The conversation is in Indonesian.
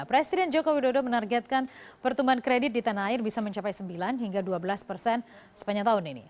presiden joko widodo menargetkan pertumbuhan kredit di tanah air bisa mencapai sembilan hingga dua belas persen sepanjang tahun ini